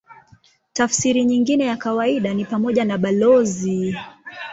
Tafsiri nyingine ya kawaida ni pamoja na balozi.